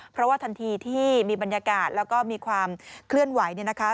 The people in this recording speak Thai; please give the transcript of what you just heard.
เพราะว่าทันทีที่มีบรรยากาศแล้วก็มีความเคลื่อนไหวเนี่ยนะคะ